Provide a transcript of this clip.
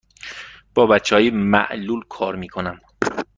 با بچه های معلول کار می کنم.